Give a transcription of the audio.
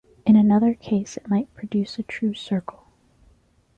In another case it might produce a true circle.